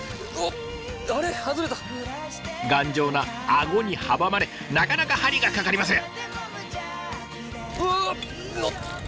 頑丈な顎に阻まれなかなか針がかかりません。